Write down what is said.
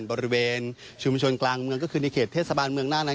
บริเวณชุมชนกลางเมืองก็คือในเขตเทศบาลเมืองหน้านั้น